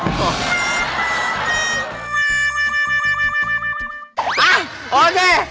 ไปโอเค